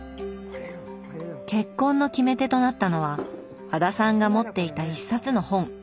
結婚の決め手となったのは和田さんが持っていた一冊の本。